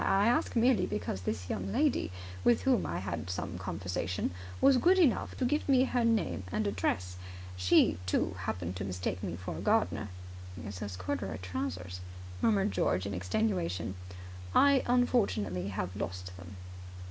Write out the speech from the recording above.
I ask merely because this young lady, with whom I had some conversation, was good enough to give me her name and address. She, too, happened to mistake me for a gardener." "It's those corduroy trousers," murmured George in extenuation. "I have unfortunately lost them."